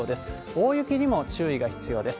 大雪にも注意が必要です。